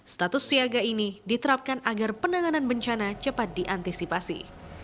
status siaga ini diterapkan agar penanganan bencana cepat diantisipasi